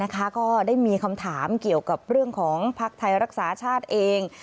ก็ได้มีคำถามเกี่ยวกับเรื่องของภักดิ์ไทยรักษาชาติเอง